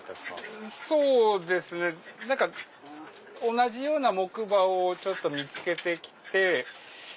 同じような木馬を見つけてきて。